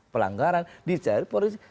pelanggaran dicari polisi